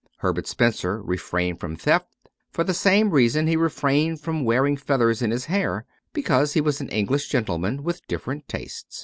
Herbert Spencer refrained from theft for the same reason he refrained from wearing feathers in his hair, because he was an English gentleman with different tastes.